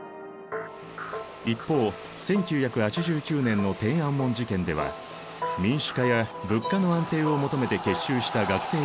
一方１９８９年の天安門事件では民主化や物価の安定を求めて結集した学生や市民を武力で鎮圧。